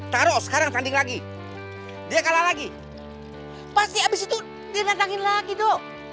taruh sekarang tanding lagi dia kalah lagi pasti abis itu dia nantangin lagi do